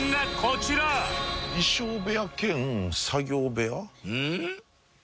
衣装部屋兼作業部屋。